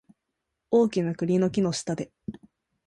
大きな栗の木の下で